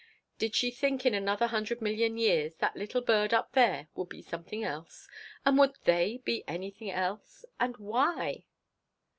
Did she think in another hundred million years that little bird up there would be something else? Would they be anything else? And why